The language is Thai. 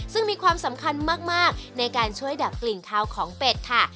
ซึ่งมีความสำคัญมากในการช่วยดับกลิ่นคาวของเป็ดค่ะ